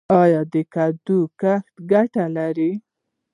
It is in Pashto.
آیا د کدو کښت ګټه لري؟